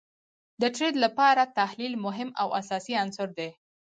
د ټریډ لپاره تحلیل مهم او اساسی عنصر دي